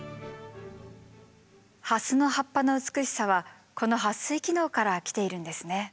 ハスの葉っぱの美しさはこの撥水機能から来ているんですね。